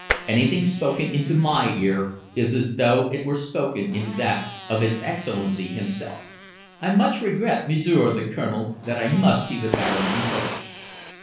"Anything spoken into my ear is as though it were spoken into that of his Excellency himself." "I much regret, M'sieur the Colonel, that I must see the Baron in person."